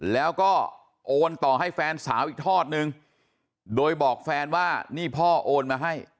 แล้วก็โอนต่อให้แฟนสาวอีกทอดนึงโดยบอกแฟนว่านี่พ่อโอนมาให้